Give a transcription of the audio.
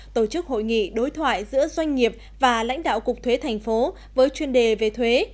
tổ chức hội nghị đối thoại giữa doanh nghiệp và lãnh đạo cục thuế thành phố với chuyên đề về thuế